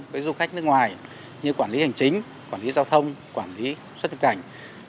với du khách nước ngoài như quản lý hành chính quản lý giao thông quản lý xuất nhập cảnh